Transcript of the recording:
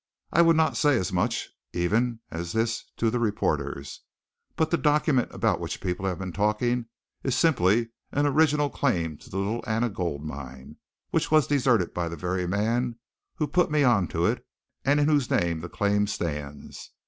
I would not say as much, even, as this to the reporters, but the document about which people have been talking is simply an original claim to the Little Anna Gold Mine, which was deserted by the very man who put me on to it, and in whose name the claim stands.